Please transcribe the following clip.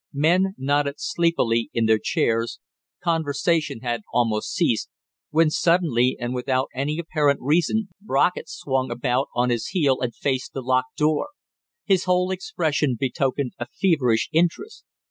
Men nodded sleepily in their chairs, conversation had almost ceased, when suddenly and without any apparent reason Brockett swung about on his heel and faced the locked door. His whole expression betokened a feverish interest.